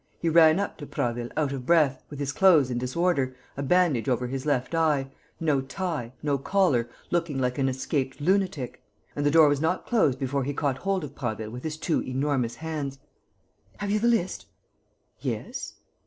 He ran up to Prasville, out of breath, with his clothes in disorder, a bandage over his left eye, no tie, no collar, looking like an escaped lunatic; and the door was not closed before he caught hold of Prasville with his two enormous hands: "Have you the list?" "Yes."